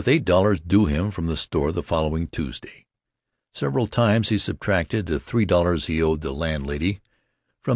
00 due him from the store the following Tuesday. Several times he subtracted the $3.00 he owed the landlady from $18.